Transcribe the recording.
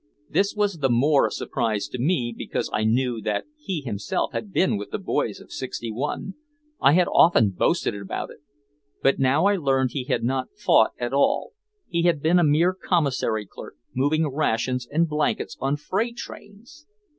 This was the more a surprise to me because I knew that he himself had been with the Boys of Sixty One, I had often boasted about it. But now I learned he had not fought at all, he had been a mere commissary clerk moving rations and blankets on freight trains!